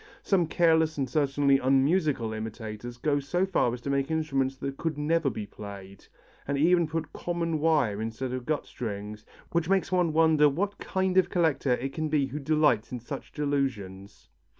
Some careless and certainly unmusical imitators go so far as to make instruments that could never be played, and even put common wire instead of gut strings, which makes one wonder what kind of collector it can be who delights in such delusions.